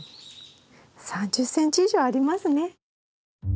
うん３０ｃｍ以上ありますね。